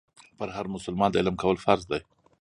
پر هر مسلمان د علم کول فرض دي.